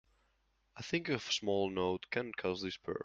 A thing of small note can cause despair.